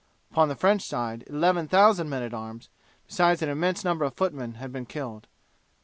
Upon the French side 11,000 men at arms, besides an immense number of footmen, had been killed.